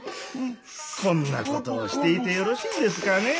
こんなことをしていてよろしいんですかね？